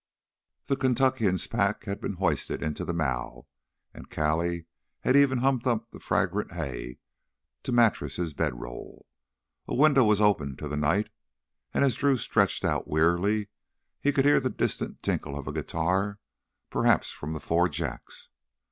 The Kentuckian's pack had been hoisted into the mow, and Callie had even humped up the fragrant hay to mattress his bedroll. A window was open to the night, and as Drew stretched out wearily, he could hear the distant tinkle of a guitar, perhaps from the Four Jacks.